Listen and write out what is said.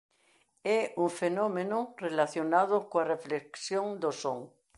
É un fenómeno relacionado coa reflexión do son.